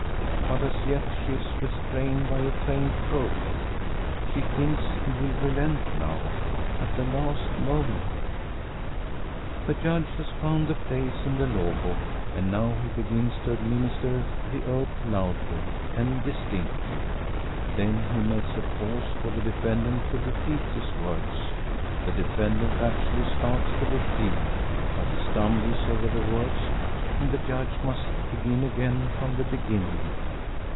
But as yet she is restrained by a faint hope. She thinks he will relent now at the last moment. The Judge has found the place in the law book, and now he begins to administer the oath loudly and distinctly. Then he makes a pause for the defendant to repeat his words. The defendant actually starts to repeat, but he stumbles over the words, and the Judge must begin again from the beginning.